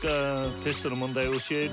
テストの問題教える？